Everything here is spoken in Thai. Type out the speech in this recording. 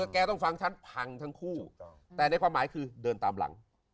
แกต้องฟังฉันพังทั้งคู่แต่ในความหมายคือเดินตามหลัง